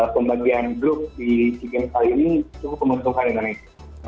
pembagian grup di ckm kali ini cukup kementerian indonesia